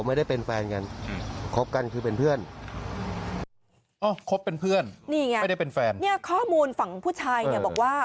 นี่ไงข้อมูลฝั่งผู้ชายบอกว่า